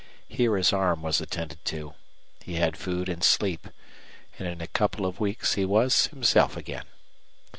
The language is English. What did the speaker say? Here his arm was attended to; he had food and sleep; and in a couple of weeks he was himself again.